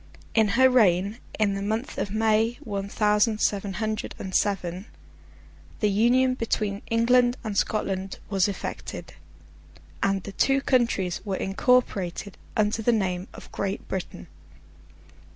In her reign, in the month of May, one thousand seven hundred and seven, the Union between England and Scotland was effected, and the two countries were incorporated under the name of Great Britain.